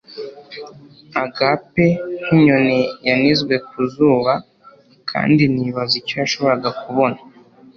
Agape nkinyoni yanizwe ku zuba kandi nibaza icyo yashoboraga kubona